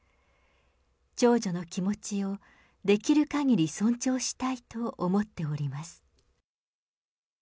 長女の気持ちをできるかぎり尊重したいと思っております。